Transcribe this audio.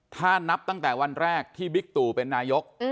ถ้านับตั้งแต่วันแรกที่บิ๊กตู่เป็นนายก